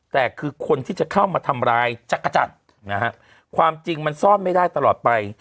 แต่คือคนที่จะเข้ามาทำร้ายจักรจันทร์นะฮะความจริงมันซ่อนไม่ได้ตลอดไป